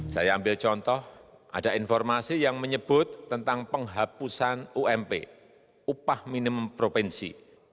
saya ambil contoh ada informasi yang menyebut tentang penghapusan ump upah minimum provinsi